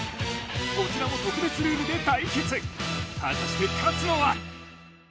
こちらも特別ルールで対決果たして勝つのは？